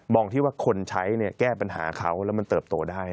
ที่ว่าคนใช้แก้ปัญหาเขาแล้วมันเติบโตได้